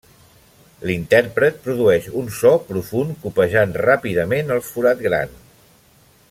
L'intèrpret produeix un so profund copejant ràpidament el forat gran.